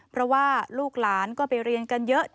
เพราะว่าลูกหลานก็ไปเรียนกันเยอะ